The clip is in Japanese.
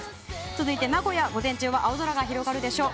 続いて名古屋、午前中青空が広がるでしょう。